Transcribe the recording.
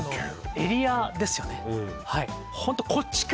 エリアですよね